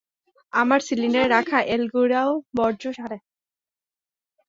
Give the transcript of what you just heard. আমার সিলিন্ডারে রাখা এলগিরাও বর্জ্য ছাড়ে।